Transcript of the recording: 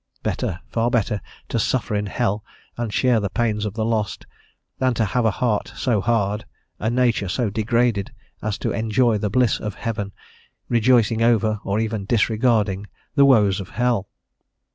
Better, far better, to suffer in hell and share the pains of the lost, than to have a heart so hard, a nature so degraded, as to enjoy the bliss of heaven, rejoicing over, or even disregarding, the woes of hell.